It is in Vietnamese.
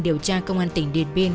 điều tra công an tỉnh điện biên